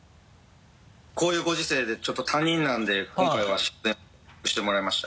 こういうご時世でちょっと他人なんで今回は出演自粛してもらいました。